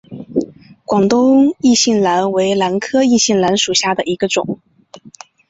广东异型兰为兰科异型兰属下的一个种。